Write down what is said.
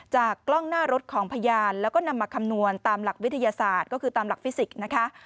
กล้องหน้ารถของพยานแล้วก็นำมาคำนวณตามหลักวิทยาศาสตร์ก็คือตามหลักฟิสิกส์นะคะ